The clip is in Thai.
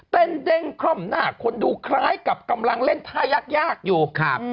เด้งคล่อมหน้าคนดูคล้ายกับกำลังเล่นท่ายากยากอยู่ครับ